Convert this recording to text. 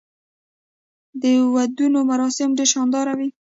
د ودونو مراسم ډیر شاندار وي.